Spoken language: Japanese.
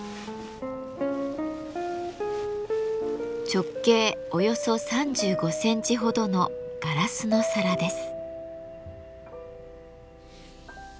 直径およそ３５センチほどのガラスの皿です。